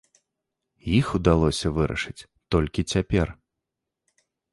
Іх удалося вырашыць толькі цяпер.